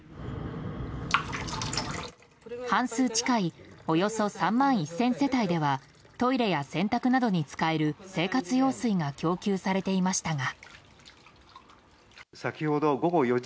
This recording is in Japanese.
半数近いおよそ３万１０００世帯ではトイレや洗濯などに使える生活用水が供給されていましたが。